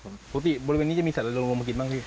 ผมปกติบริเวณนี้จะมีสัตว์ลงมากินบ้างพี่